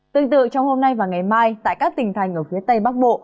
tương tự trong hôm nay và ngày mai tại các tỉnh thành ở phía tây bắc bộ